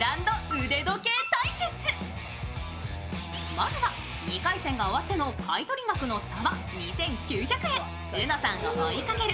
まずは２回戦が終わっての買い取り額の差は２９００円、うのさんを追いかける